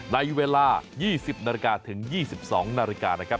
ในเวลา๒๐นาฬิกาถึง๒๒นาฬิกานะครับ